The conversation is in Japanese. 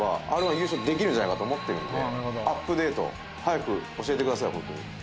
できるんじゃないかと思ってるんでアップデート早く教えてくださいほんとに。